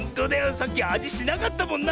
さっきあじしなかったもんな。